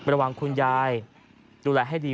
ระวังคุณยายดูแลให้ดี